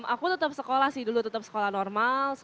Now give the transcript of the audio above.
aku tetap sekolah sih dulu tetap sekolah normal